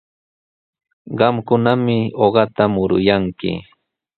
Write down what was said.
Qamkunami uqata muruyanki.